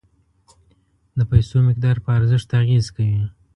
د پیسو مقدار په ارزښت اغیز کوي.